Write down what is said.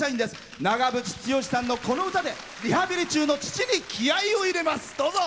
長渕剛さんのこの歌でリハビリ中の父に気合いを入れます。